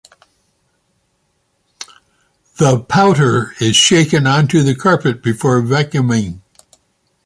The powder is shaken onto the carpet before vacuuming.